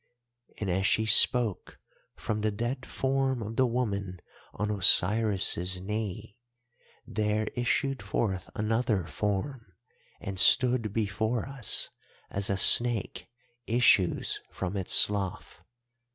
"And as she spoke, from the dead form of the woman on Osiris' knee there issued forth another form and stood before us, as a snake issues from its slough.